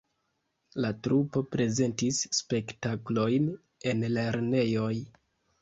La trupo prezentis spektaklojn en lernejoj.